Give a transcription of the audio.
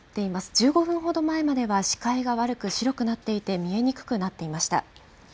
１５分ほど前までは視界が悪く、白くなっていて、見えにくくなっていました。